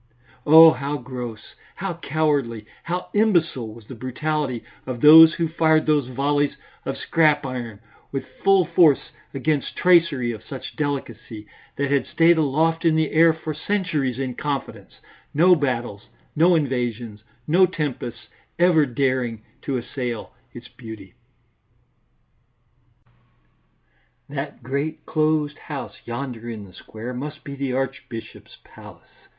Oh, how gross, how cowardly, how imbecile was the brutality of those who fired those volleys of scrap iron with full force against tracery of such delicacy, that had stayed aloft in the air for centuries in confidence, no battles, no invasions, no tempests ever daring to assail its beauty. That great, closed house yonder in the square must be the archbishop's palace.